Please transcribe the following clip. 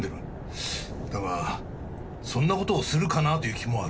だがそんな事をするかな？という気もある。